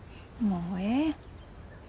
もうええ。